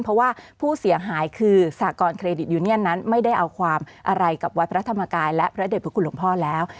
เพราะว่าผู้เสียหายคือสากรณเครดิตยูเนียนนั้นไม่ได้เอาความอะไรกับวัดพระธรรมกายและพระเด็จพระคุณหลวงพ่อแล้ว